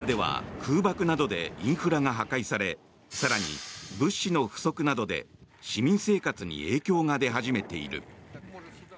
ウクライナでは空爆などでインフラが破壊され更に物資の不足などで市民生活に影響が出始めている。